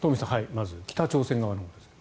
まず北朝鮮側のほうですが。